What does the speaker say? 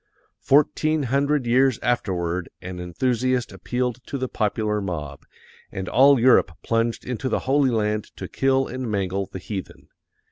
_ FOURTEEN HUNDRED YEARS AFTERWARD AN ENTHUSIAST APPEALED TO THE POPULAR MOB _and all Europe plunged into the Holy Land to kill and mangle the heathen.